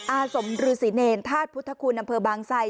อาสมฤษีเนรธาตุพุทธคุณอำเภอบางไซ